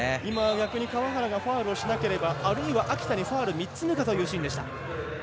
逆に川原がファウルをしなければあるいは秋田にファウル３つ目かというシーンでした。